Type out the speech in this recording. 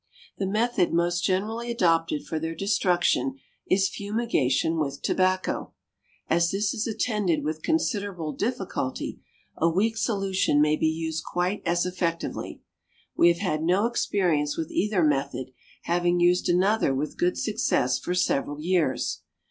The method most generally adopted for their destruction is fumigation with tobacco. As this is attended with considerable difficulty, a weak solution may be used quite as effectively. We have had no experience with either method, having used another with good success for several years.